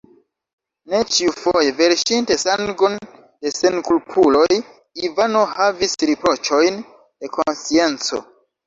Ne ĉiufoje, verŝinte sangon de senkulpuloj, Ivano havis riproĉojn de konscienco.